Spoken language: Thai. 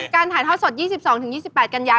การถ่ายเท่าสด๒๒๒๘กรณยา